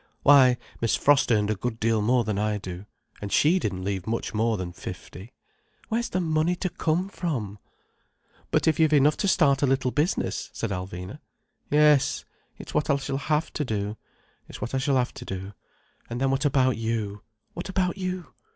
Why, Miss Frost earned a good deal more than I do. And she didn't leave much more than fifty. Where's the money to come from—?" "But if you've enough to start a little business—" said Alvina. "Yes, it's what I shall have to do. It's what I shall have to do. And then what about you? What about you?"